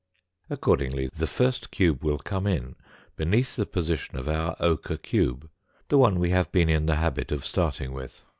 Accordingly, the first cube will Fig. 110. come in beneath the position of our ochre cube, the one we have been in the habit of starting with.